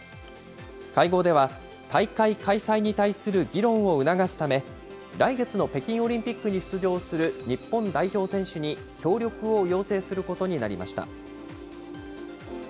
会合では、大会開催に対する議論を促すため、来月の北京オリンピックに出場する日本代表選手に協力を要請することになりました。